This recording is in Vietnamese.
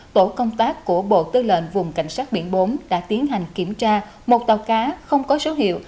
tổ công tác của bộ tư lệnh vùng cảnh sát biển bốn đã tiến hành kiểm tra một tàu cá không có số hiệu